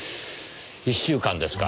１週間ですか。